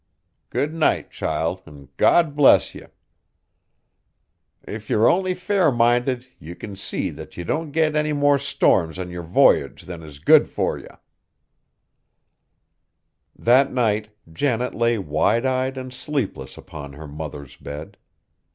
Good night, child, an' God bless ye! If yer only fair minded ye can see that ye don't get any more storms on yer voyage than is good fur ye." That night Janet lay wide eyed and sleepless upon her mother's bed.